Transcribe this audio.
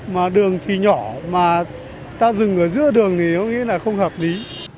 mà đường thì nhỏ mà ta dừng ở giữa đường thì không nghĩ là không hợp lý